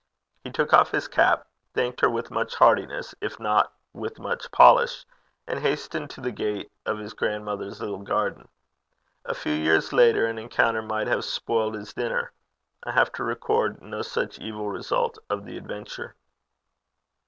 He took off his cap, thanked her with much heartiness, if not with much polish, and hastened to the gate of his grandmother's little garden. A few years later such an encounter might have spoiled his dinner: I have to record no such evil result of the adventure.